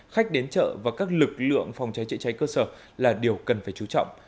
khách đến chợ và các lực lượng phòng cháy chữa cháy cơ sở là điều cần phải chú trọng